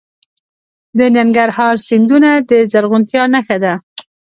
د ننګرهار سیندونه د زرغونتیا نښه ده.